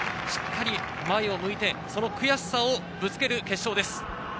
しっかり前を向いて、その悔しさをぶつける決勝です。